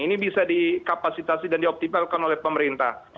ini bisa dikapasitasi dan dioptimalkan oleh pemerintah